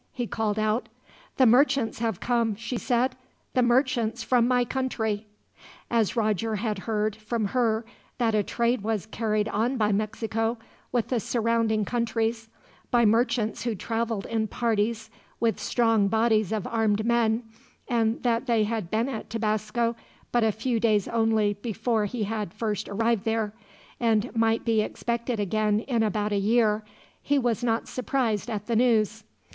he called out. "The merchants have come," she said. "The merchants from my country." As Roger had heard, from her, that a trade was carried on by Mexico with the surrounding countries, by merchants who traveled in parties, with strong bodies of armed men, and that they had been at Tabasco but a few days only before he had first arrived there, and might be expected again in about a year, he was not surprised at the news.